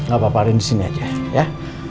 ga apa apa arin di sini aja ya